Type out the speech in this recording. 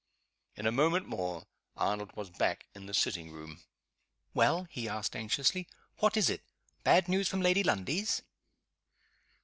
In a moment more Arnold was back in the sitting room. "Well?" he asked, anxiously. "What is it? Bad news from Lady Lundie's?"